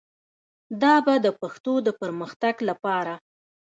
دا به د پښتو د پرمختګ لپاره